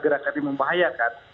gerakan yang membahayakan